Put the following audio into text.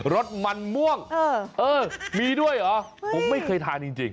รสมันม่วงเออมีด้วยเหรอผมไม่เคยทานจริง